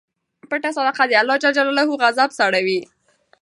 پټه صدقه د اللهﷻ غضب سړوي.